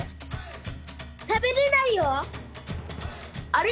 あれ？